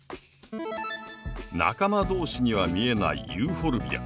仲間同士には見えないユーフォルビア。